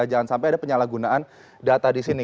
jangan sampai ada penyalahgunaan data di sini